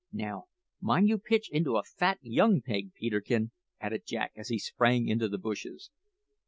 Now, mind you pitch into a fat young pig, Peterkin!" added Jack as he sprang into the bushes.